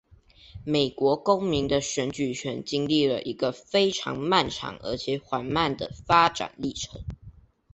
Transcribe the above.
美国公民的选举权经历了一个非常漫长而且缓慢的发展历程。